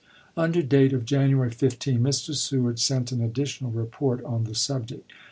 Under date of January 15 Mr. Seward sent an additional report on the subject.